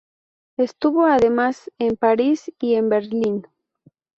Estuvo además en París y en Berlín.